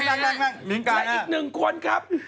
แล้วอีก๑คนครับ